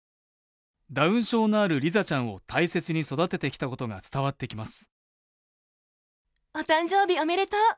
ダウン症のあるリザちゃんを大切に育ててきたことが伝わってきます。